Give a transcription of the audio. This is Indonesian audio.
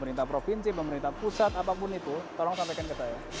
pemerintah provinsi pemerintah pusat apapun itu tolong sampaikan ke saya